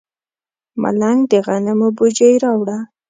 ملنګ د غنمو بوجۍ راوړه.